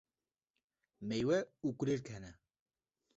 meywe û kulîlk hene.